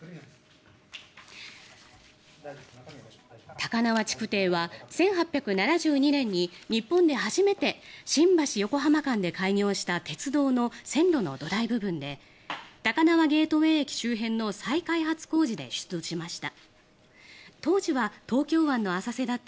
高輪築堤は１８７２年に日本で初めて新橋横浜間で開業した鉄道の線路の土台部分で高輪ゲートウェイ駅周辺の再開発工事で出土しました。